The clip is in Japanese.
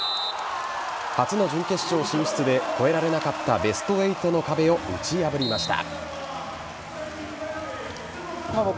初の準決勝進出で越えられなかったベスト８の壁を打ち破りました。